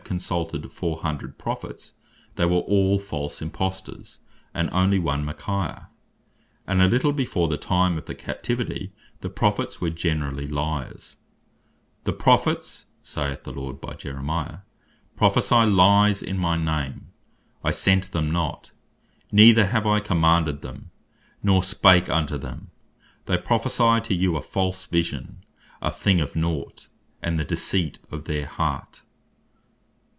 consulted four hundred Prophets, they were all false Imposters, but onely one Michaiah. And a little before the time of the Captivity, the Prophets were generally lyars. "The Prophets" (saith the Lord by Jerem. cha. 14. verse 14.) "prophecy Lies in my name. I sent them not, neither have I commanded them, nor spake unto them, they prophecy to you a false Vision, a thing of naught; and the deceit of their heart."